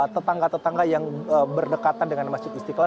tetangga tetangga yang berdekatan dengan masjid istiqlal